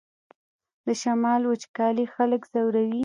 د شمال وچکالي خلک ځوروي